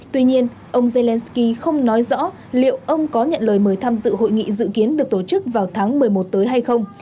tuy nhiên ông zelenskyy không nói rõ liệu ông có nhận lời mời tham dự hội nghị dự kiến được tổ chức vào tháng một mươi một tới hay không